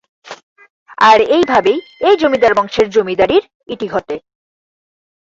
আর এইভাবেই এই জমিদার বংশের জমিদারীর ইতি ঘটে।